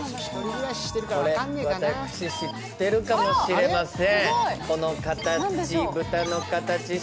これ私、知ってるかもしれません。